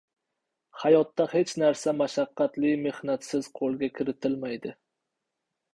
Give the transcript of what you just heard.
Hayotda hech narsa mashaqqatli mehnatsiz qo‘lga kiritilmaydi.